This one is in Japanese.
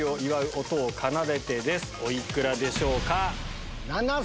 お幾らでしょうか？